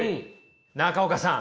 中岡さん。